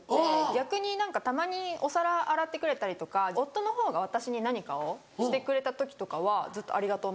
逆に何かたまにお皿洗ってくれたりとか夫の方が私に何かをしてくれた時とかはずっと「ありがとう」